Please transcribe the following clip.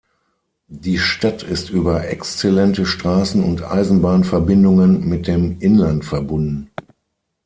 Die Stadt ist über exzellente Straßen und Eisenbahnverbindungen mit dem Inland verbunden.